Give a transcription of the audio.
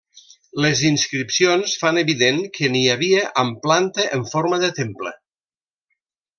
Les inscripcions fan evident que n'hi havia amb planta en forma de temple.